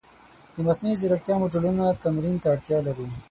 د مصنوعي ځیرکتیا موډلونه تمرین ته اړتیا لري.